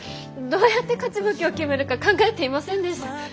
どうやって勝ち負けを決めるか考えていませんでした。